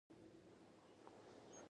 دغه جمله په بيا بيا لوستلو ارزي.